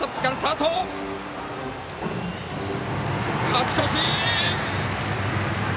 勝ち越し！